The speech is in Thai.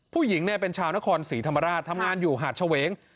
ผู้หญิงเป็นชาวนครศรีธรรมราชทำงานอยู่หาดเฉวง